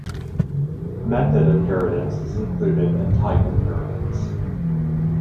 Method inheritance is included in type inheritance.